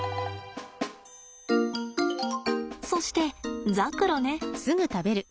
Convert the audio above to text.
そしてザクロね。